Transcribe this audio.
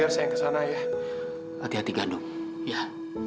kenapa sempat ini ayah